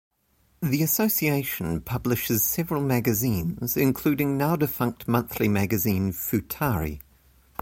The association publishes several magazines, including now-defunct monthly magazine "Futari".